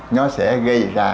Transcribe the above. nó sẽ gây ra